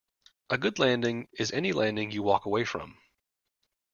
A good landing is any landing you walk away from.